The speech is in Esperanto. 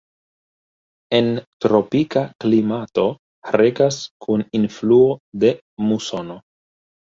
En tropika klimato regas kun influo de musono.